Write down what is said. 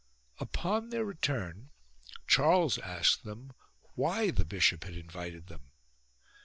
Upon their return Charles asked them why the bishop had invited them.